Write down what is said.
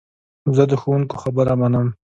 زه د ښوونکو خبره منم.